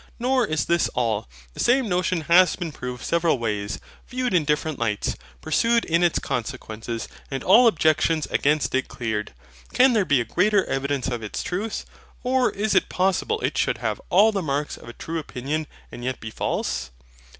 Nor is this all; the same notion has been proved several ways, viewed in different lights, pursued in its consequences, and all objections against it cleared. Can there be a greater evidence of its truth? or is it possible it should have all the marks of a true opinion and yet be false?